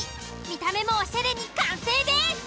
見た目もおしゃれに完成です。